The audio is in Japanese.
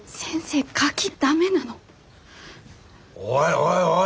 おいおい